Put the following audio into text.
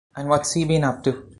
And what's he been up to?